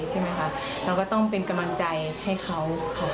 เราก็ต้องเป็นกำลังใจให้เขา